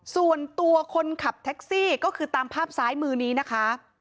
ส่วนตัวคนขับแท็กซี่ก็คือตามภาพซ้ายมือนี้นะคะ